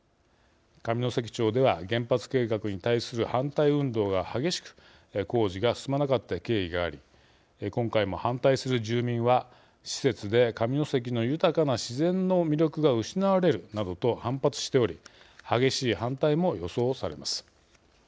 上関町では、原発計画に対する反対運動が激しく工事が進まなかった経緯があり今回も反対する住民は施設で、上関の豊かな自然の魅力が失われるなどと反発しており激しい反対も予想されます。